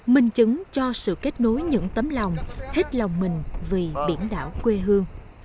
minh chứng cho sự kết nối những tấm lòng hết lòng mình vì biển đảo quê hương